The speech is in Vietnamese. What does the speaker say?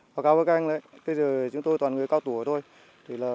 bà cao với các anh đấy bây giờ chúng tôi toàn người cao tuổi thôi